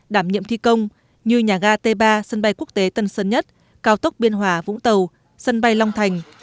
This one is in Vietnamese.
đảm nhiệm thi công như nhà ga t ba sân bay quốc tế tân sơn nhất cao tốc biên hòa vũng tàu sân bay long thành